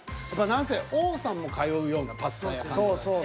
何せ王さんも通うようなパスタ屋さんで。